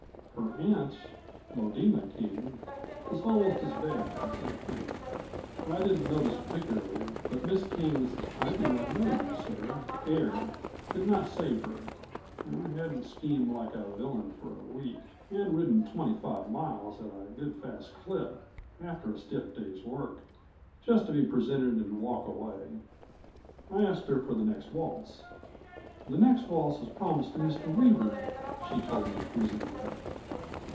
Her aunt, Lodema King, was almost as bad, I think; I didn't notice particularly. But Miss King's I do not know you sir air could not save her; I hadn't schemed like a villain for a week, and ridden twenty five miles at a good fast clip after a stiff day's work, just to be presented and walk away. I asked her for the next waltz. "The next waltz is promised to Mr. Weaver," she told me freezingly.